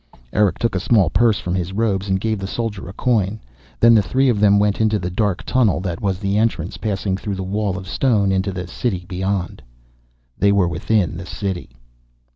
Erick took a small purse from his robes and gave the soldier a coin. Then the three of them went into the dark tunnel that was the entrance, passing through the wall of stone, into the City beyond. They were within the City!